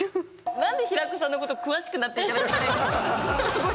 なんで平子さんのことを詳しくなっていかなくちゃいけないんですか？